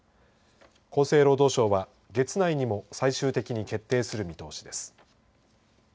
厚生労働省は月内にも最終的に決定する見通しです。